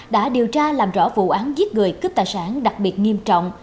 đã điều tra làm rõ vụ án giết người cướp tài sản đặc biệt nghiêm trọng